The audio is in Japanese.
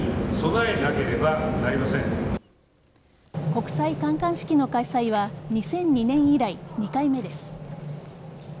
国際観艦式の開催は２００２年以来２回目です。